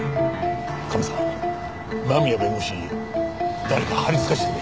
カメさん間宮弁護士に誰か張りつかせてくれ。